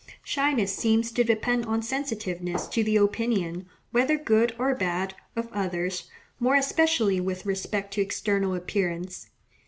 Shyness seems to depend on sensitiveness to the opinion, whether good or bad, of others, more especially with respect to external appearance.